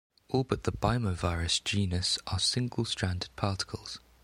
All but the "Bymovirus" genus are single-stranded particles.